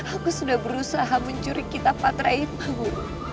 aku sudah berusaha mencuri kitab patraipa guru